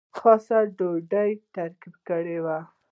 خاصه ډوډۍ ترتیب کړې وه.